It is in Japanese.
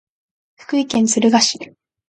福井県敦賀市